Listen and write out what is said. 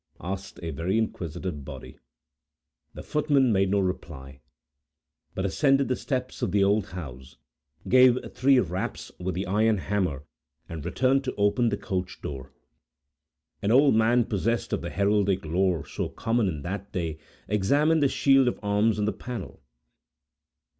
asked a very inquisitive body. The footman made no reply, but ascended the steps of the old house, gave three raps with the iron hammer, and returned to open the coach door. An old man possessed of the heraldic lore so common in that day examined the shield of arms on the panel.